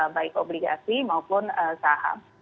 baik obligasi maupun saham